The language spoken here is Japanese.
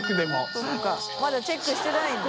そうかまだチェックしてないんだ。